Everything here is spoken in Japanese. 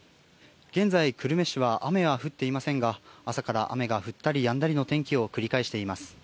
現在、久留米市は雨は降っていませんが、朝から雨が降ったりやんだりの天気を繰り返しています。